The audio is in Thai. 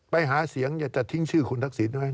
ไปหาเสียงจะทิ้งชื่อคุณทักษิณไว้